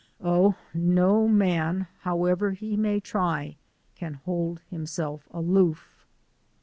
Oh, no man, however may try, can hold himself aloof!